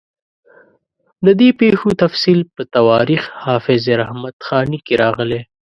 د دې پېښو تفصیل په تواریخ حافظ رحمت خاني کې راغلی.